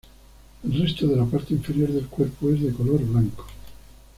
El resto de la parte inferior del cuerpo es de color blanco.